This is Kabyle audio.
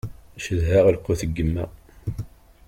Cedhaɣ lqut n yemma.